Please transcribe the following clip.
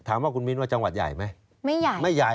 ถามว่าคุณมินว่าจังหวัดใหญ่ไหมไม่ใหญ่ไม่ใหญ่